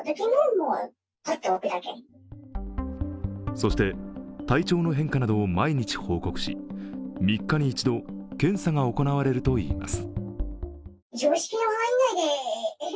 そして体調の変化などを毎日報告し３日に一度、検査が行われるといいます。